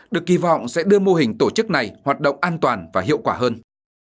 được kỳ vọng sẽ đưa mô hình tổ chức này hoạt động an toàn và hiệu quả hơn